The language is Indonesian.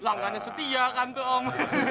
pelanggannya setia kan tuh om